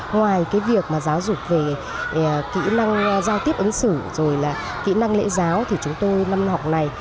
ngoài cái việc mà giáo dục về kỹ năng giao tiếp ứng xử rồi là kỹ năng lễ giáo thì chúng tôi năm học này